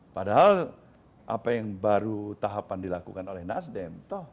padahal apa yang baru tahapan dilakukan oleh nasdem